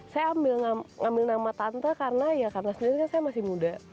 saya ambil nama tante karena ya karena sendiri kan saya masih muda